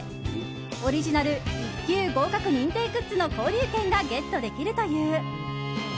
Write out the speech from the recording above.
オリジナル１級合格認定グッズの購入権がゲットできるという。